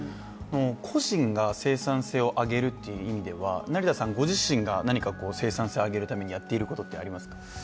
個人が生産性を上げるっていう意味では成田さんご自身が何か生産性を上げるためにやっていることってありますか？